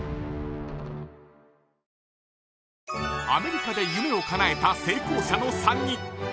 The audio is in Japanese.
アメリカで夢をかなえた成功者の３人。